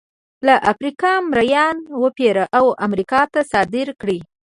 له افریقا مریان وپېري او امریکا ته صادر کړي.